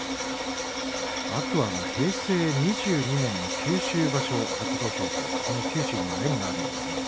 天空海が平成２２年の九州場所初土俵ということで九州には縁があります。